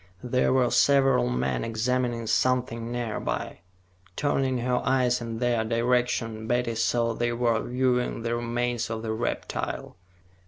There were several men examining something nearby. Turning her eyes in their direction, Betty saw they were viewing the remains of the reptile.